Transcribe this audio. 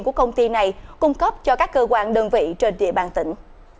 của công ty này cung cấp cho các cơ quan đơn vị trên địa bàn tỉnh